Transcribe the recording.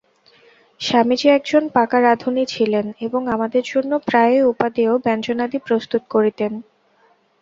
স্বামীজী একজন পাকা রাঁধুনী ছিলেন, এবং আমাদের জন্য প্রায়ই উপাদেয় ব্যঞ্জনাদি প্রস্তুত করিতেন।